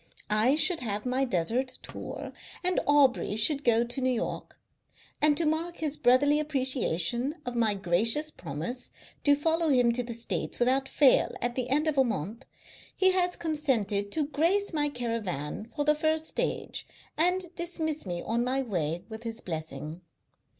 I should have my desert tour, and Aubrey should go to New York; and to mark his brotherly appreciation of my gracious promise to follow him to the States without fail at the end of a month he has consented to grace my caravan for the first stage, and dismiss me on my way with his blessing.